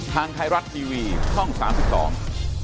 ทางไทยรัฐบีวีช่อง๓๒